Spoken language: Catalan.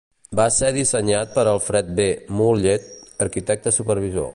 Va ser dissenyat per Alfred B. Mullett, arquitecte supervisor.